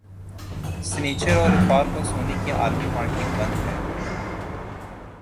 سنیچر اور اتوار کو سونے کی عالمی مارکیٹ بند ہے